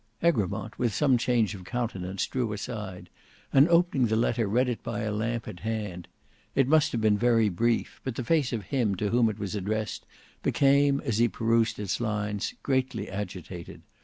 Egremont with some change of countenance drew aside, and opening the letter read it by a lamp at hand. It must have been very brief; but the face of him to whom it was addressed became, as he perused its lines, greatly agitated.